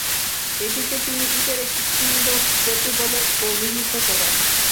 এটিকে তিনি ‘ইটের একটি সুন্দর সেতু’ বলে অভিহিত করেন।